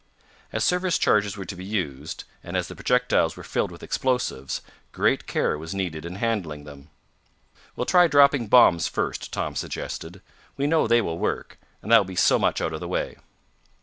As service charges were to be used, and as the projectiles were filled with explosives, great care was needed in handling them. "We'll try dropping bombs first," Tom suggested. "We know they will work, and that will be so much out of the way."